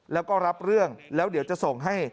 แล้วก็รับเรื่องแล้วเดี๋ยวจะส่งให้